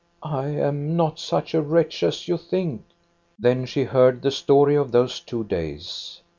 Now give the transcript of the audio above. " I am not such a wretch as you think." Then she heard the story of those two days.